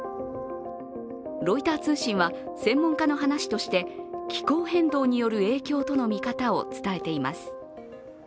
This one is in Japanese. ロイター通信は専門家の話として、気候変動による影響との見方を伝えています。